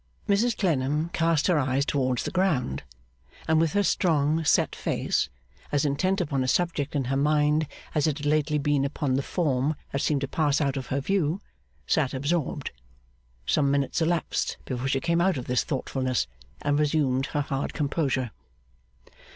Mrs Clennam cast her eyes towards the ground, and with her strong, set face, as intent upon a subject in her mind as it had lately been upon the form that seemed to pass out of her view, sat absorbed. Some minutes elapsed before she came out of this thoughtfulness, and resumed her hard composure.